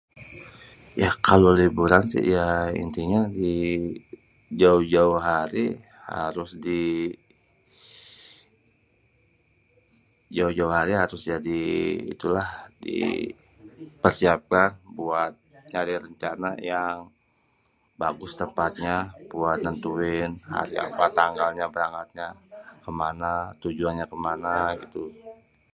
Ya kalau liburan si ya intinya di jauh-jauh hari harus di...jauh-jauh hari harus di itulah...di.. persiapkan buat cari rencana yang bagus tempatnya buat nentuin hari apa tanggalnya, berangkatnya, kemana tujuannya kemana gitu.